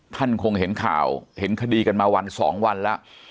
ท่านคงเห็นข่าวเห็นคดีกันมาวันสองวันแล้ว